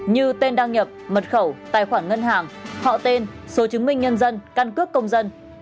như tên đăng nhập mật khẩu tài khoản ngân hàng họ tên số chứng minh nhân dân căn cước công dân